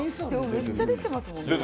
めっちゃ出てますもんね。